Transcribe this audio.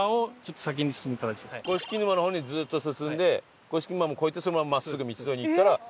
五色沼の方にずっと進んで五色沼も越えてそのまま真っすぐ道沿いに行ったらある？